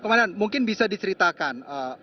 komandan mungkin bisa diceritakan